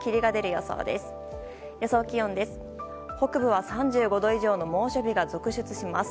予想気温です。